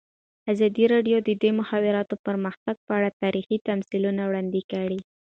ازادي راډیو د د مخابراتو پرمختګ په اړه تاریخي تمثیلونه وړاندې کړي.